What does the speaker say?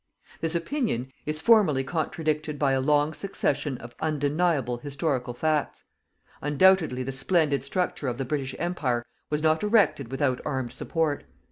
This opinion is formally contradicted by a long succession of undeniable historical facts. Undoubtedly the splendid structure of the British Empire was not erected without armed support.